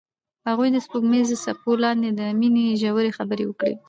هغوی د سپوږمیز څپو لاندې د مینې ژورې خبرې وکړې.